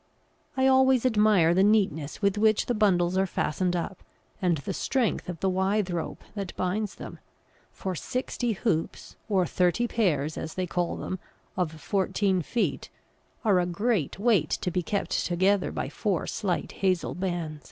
I always admire the neatness with which the bundles are fastened up, and the strength of the withe rope that binds them, for sixty hoops, or thirty pairs, as they call them, of fourteen feet, are a great weight to be kept together by four slight hazel bands.